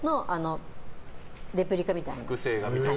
レプリカみたいな。